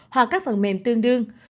hoặc các phần mềm tương đương